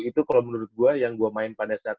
itu kalau menurut gue yang gue main pada saat